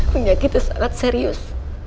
penyakit itu sangat serius